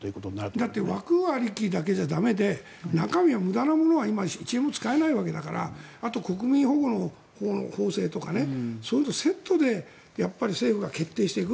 だって枠ありきだけでは駄目で中身、無駄なものは１円も使えないわけだからあと国民保護法とかそういうのとセットで政府が決定していく。